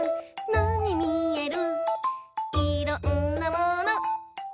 なにみえる？」